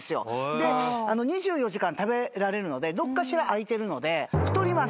で２４時間食べられるのでどっかしら開いてるので。